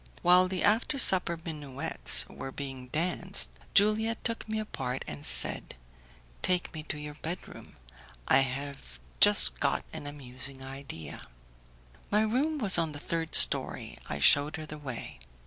While the after supper minuets were being danced Juliette took me apart, and said, "Take me to your bedroom; I have just got an amusing idea." My room was on the third story; I shewed her the way.